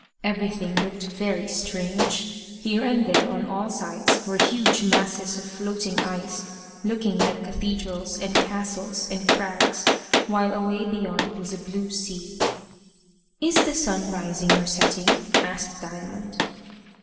Everything looked very strange. Here and there on all sides were huge masses of floating ice, looking like cathedrals, and castles, and crags, while away beyond was a blue sea. "Is the sun rising or setting?" asked Diamond.